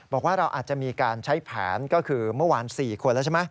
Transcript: บอกว่าเราอาจจะมีการใช้แผนก็คือเมื่อวาน๔คนแล้วใช่ไหม